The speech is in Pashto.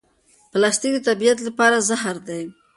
پلاستیک د طبیعت لپاره زهر دی.